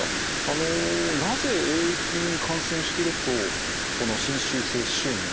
あのなぜＡ．ａ．菌に感染しているとこの侵襲性歯周炎になってしまうんでしょうか。